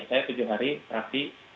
saya tujuh hari terapi